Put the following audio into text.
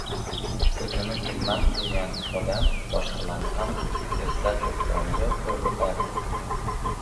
O‘zini hurmat qilgan odam boshqalarni ham izzat-ehtiromga o‘rgatadi.